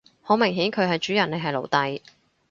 好明顯佢係主人你係奴隸